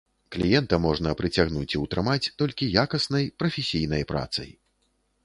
Кліента можна прыцягнуць і ўтрымаць толькі якаснай, прафесійнай працай.